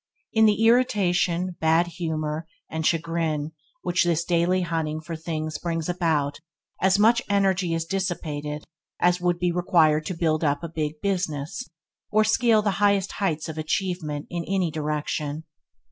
In the irritation, bad humour, and chagrin which this daily hunting for things brings about, as much energy is dissipated as would be required to build up a big business, or scale the highest heights of achievement in any direction.